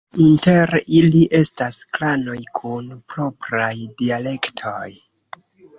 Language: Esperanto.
Inter ili estas klanoj kun propraj dialektoj.